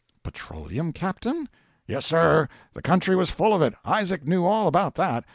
'Petroleum, captain?' 'Yes, sir; the country was full of it. Isaac knew all about that.